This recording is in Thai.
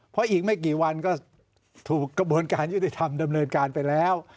เพราะอีกไม่กี่วันก็ถูกกระบวนการยุติธรรมดำเนินการไปแล้ว